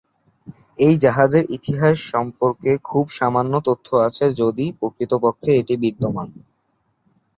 এই জাহাজের ইতিহাস সম্পর্কে খুব সামান্য তথ্য আছে যদি প্রকৃতপক্ষে এটি বিদ্যমান।